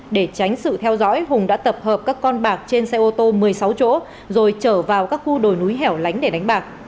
để tránh sự theo dõi hùng đã tập hợp các con bạc trên xe ô tô một mươi sáu chỗ rồi chở vào các khu đồi núi hẻo lánh để đánh bạc